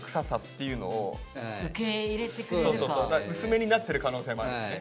薄めになってる可能性もあるしね。